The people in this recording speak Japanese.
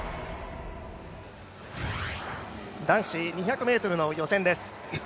男子２００ｍの予選です。